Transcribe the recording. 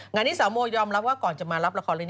งานนี้สาวโมยยอมรับว่าก่อนจะมารับละครเลย